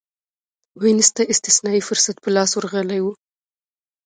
وینز ته استثنايي فرصت په لاس ورغلی و